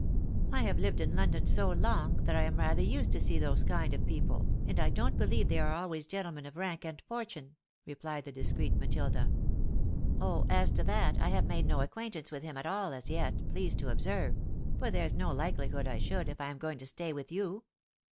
I have lived in London so long, that I am rather used to see those kind of people, and I don't beheve they are always gentlemen of rank and fortune," repHed the discreet Matilda. " Oh I as to that, I have made no acquaintance with him at all, as yet, please to observe — and there's no likeKhood I should, if I am going to stay with you.